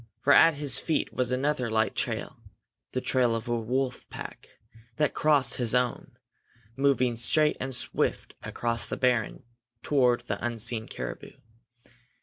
For at his feet was another light trail, the trail of a wolf pack, that crossed his own, moving straight and swift across the barren toward the unseen caribou.